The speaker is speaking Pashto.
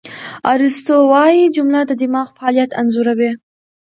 ارسطو وایي، جمله د دماغ فعالیت انځوروي.